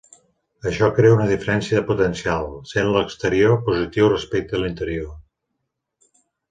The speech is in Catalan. Això crea una diferència de potencial, sent l'exterior positiu respecte l'interior.